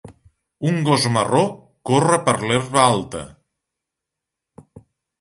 un gos marró corre per l'herba alta.